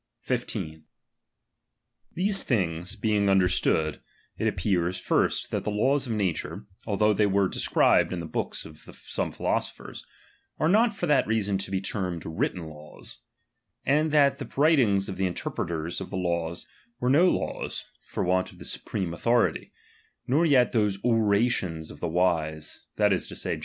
noMlX'lox. 195 15. These things being understood, it appears, first, that the laws of nature, although they were described in the books of some philosophers, are not for that reason to be termed writteji Imos: aaid that the writings of the interpreters of the laws, were no laws, for want of the supreme au thority ; nor yet those orations of the wise, that is to say.